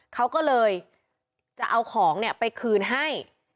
เขาก็เลยจะเอาของไปคืนให้